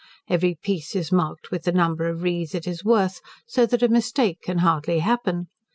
Every piece is marked with the number of rees it is worth, so that a mistake can hardly happen.